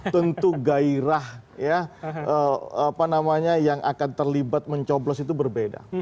tentu gairah yang akan terlibat mencoblos itu berbeda